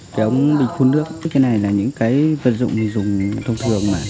cái ống bình khuôn nước cái này là những cái vật dụng mình dùng thông thường mà